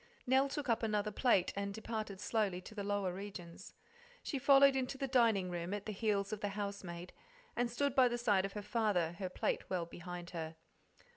Nell took up another plate, and departed slowly to the lower regions. She followed into the dining room at the heels of the housemaid, and stood by the side of her father, her plate well behind her.